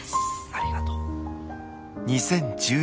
ありがとう。